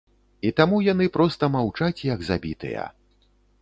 І таму яны проста маўчаць як забітыя.